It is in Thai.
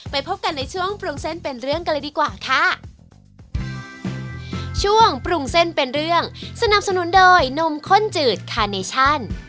ไปพบกันในช่วงปรุงเส้นเป็นเรื่องกันเลยดีกว่าค่ะ